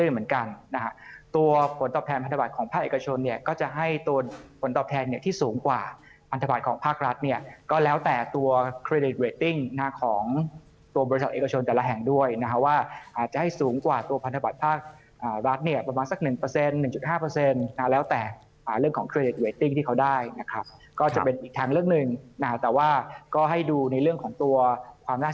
ให้ตัวผลตอบแทนที่สูงกว่าพันธบัตรของภาครัฐเนี่ยก็แล้วแต่ตัวเครดิตเวตติ้งของตัวบริษัทเอกชนแต่ละแห่งด้วยนะครับว่าอาจจะให้สูงกว่าตัวพันธบัตรภาครัฐเนี่ยประมาณสัก๑๑๕แล้วแต่เรื่องของเครดิตเวตติ้งที่เขาได้นะครับก็จะเป็นอีกทางเลือกหนึ่งแต่ว่าก็ให้ดูในเรื่องของตัวค